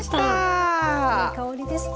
いい香りですね。